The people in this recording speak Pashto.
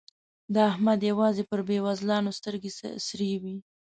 د احمد يوازې پر بېوزلانو سترګې سرې وي.